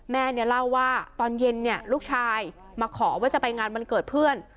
แม่เนี่ยเล่าว่าตอนเย็นเนี่ยลูกชายมาขอว่าจะไปงานวันเกิดเพื่อน